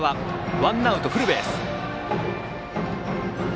ワンアウト、フルベース。